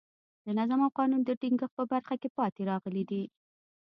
د نظم او قانون د ټینګښت په برخه کې پاتې راغلي دي.